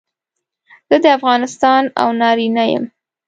زه د افغانستان او نارینه یم.